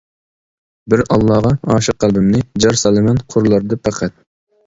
بىر ئاللاغا ئاشىق قەلبىمنى، جار سالىمەن قۇرلاردا پەقەت.